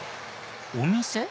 お店？